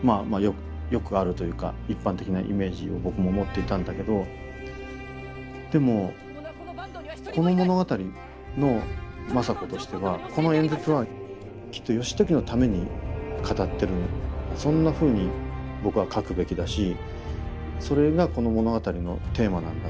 よくあるというか一般的なイメージを僕も持っていたんだけどでもこの物語の政子としてはこの演説はきっと義時のために語ってるんだそんなふうに僕は書くべきだしそれがこの物語のテーマなんだ。